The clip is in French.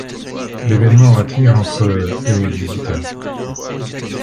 L'événement attire entre et visiteurs.